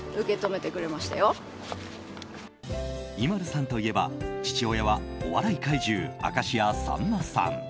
ＩＭＡＬＵさんといえば父親は、お笑い怪獣明石家さんまさん